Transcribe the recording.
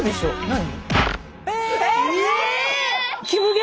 何？